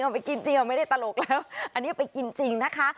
เอาไปกินจริงเอาไม่ได้ตลกแล้วอันนี้ไปกินจริงนะคะ